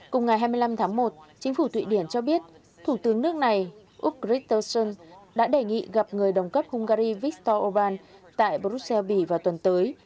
cùng ngày hai mươi năm tháng một chính phủ thụy điển cho biết thủ tướng nước này úc christensen đã đề nghị gặp người đồng cấp hungary viktor orbán tại brussels bỉ vào tuần tới